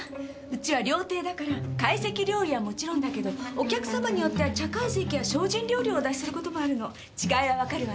うちは料亭だから会席料理はもちろんだけどお客さまによっては茶懐石や精進料理をお出しすることもあるの違いは分かるわね？